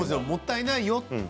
「もったいないよ。